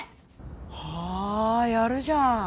はやるじゃん。